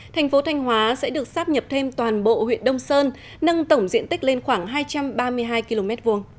thành phố thanh hóa sẽ được sắp nhập thêm toàn bộ huyện đông sơn nâng tổng diện tích lên khoảng hai trăm ba mươi hai km hai